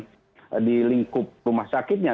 dalam kaitan di lingkungan rumah sakitnya